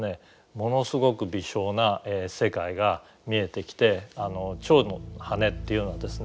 ものすごく微小な世界が見えてきてチョウの羽っていうのはですね